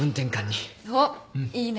おっいいね。